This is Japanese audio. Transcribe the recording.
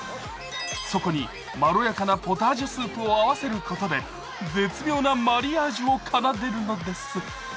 そこにまろやかなポタージュスープを合わせることで絶妙なマリアージュを奏でるのです。